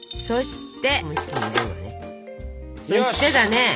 そしてだね。